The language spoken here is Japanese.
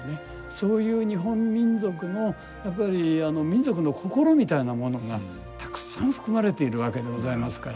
そういう日本民族のやっぱり民族の心みたいなものがたくさん含まれているわけでございますから。